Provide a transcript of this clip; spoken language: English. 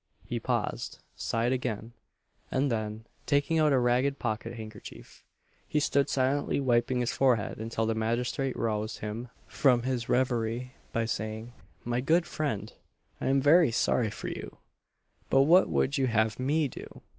He paused sighed again and then, taking out a ragged pocket handkerchief, he stood silently wiping his forehead until the magistrate roused him from his reverie by saying, "My good friend, I am very sorry for you, but what would you have me do?"